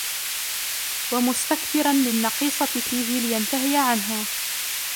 وَمُسْتَكْثِرًا لِلنَّقِيصَةِ فِيهِ لِيَنْتَهِيَ عَنْهَا